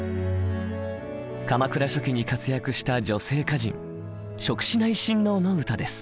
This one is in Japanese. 鎌倉初期に活躍した女性歌人式子内親王の歌です。